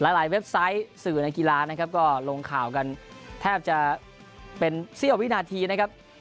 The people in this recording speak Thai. หลายเว็บไซต์สื่อในกีฬานะครับก็ลงข่าวกันแทบจะเป็นเสี้ยววินาทีนะครับ